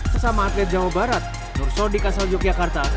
sesama atlet jawa barat nur sodik asal yogyakarta